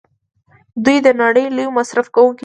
دوی د نړۍ لوی مصرف کوونکي دي.